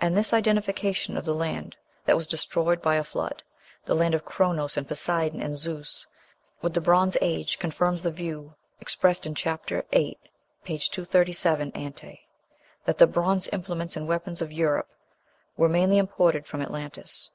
And this identification of the land that was destroyed by a flood the land of Chronos and Poseidon and Zeus with the Bronze Age, confirms the view expressed in Chapter VIII. (page 237, ante), that the bronze implements and weapons of Europe were mainly imported from Atlantis.